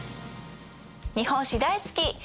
日本史大好き！